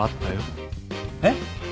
えっ？